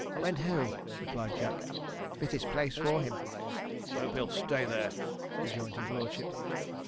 'Went home,' replied Jack; 'fittest place for him.' 'Hope he'll stay there,' rejoined his lordship.